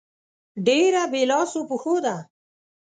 ډېره بې لاسو پښو ده.